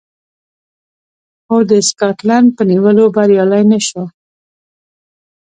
خو د سکاټلنډ په نیولو بریالی نه شو